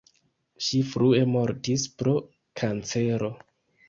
Ŝi frue mortis pro kancero.